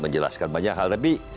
jelaskan banyak hal tapi